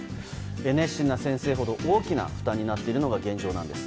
熱心な先生ほど大きな負担になっているのが現状なんです。